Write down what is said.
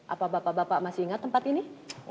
apa bapak bapak masih ingat tempat ini